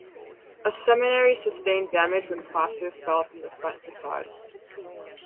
A seminary sustained damage when plasters fell from the front facade.